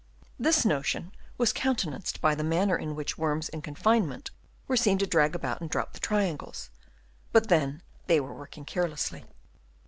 This notion was countenanced by the manner in which worms in confinement were seen to drag about and drop the triangles ; but then they were working carelessly.